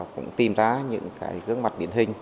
và cũng tìm ra những cái gương mặt biển hình